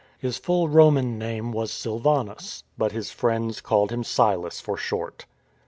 His full Roman name was Silvanus, but his friends called him Silas for short.